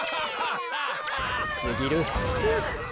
すぎる。